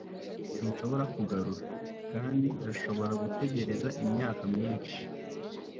Sinshobora kugarura, Kandi ndashobora gutegereza imyaka myinshi